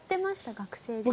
学生時代。